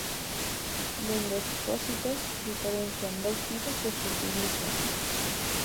Dende os pósitos diferencian dous tipos de furtivismo.